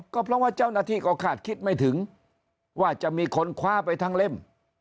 ก็เพราะว่าเจ้าหน้าที่ก็คาดคิดไม่ถึงว่าจะมีคนคว้าไปทั้งเล่ม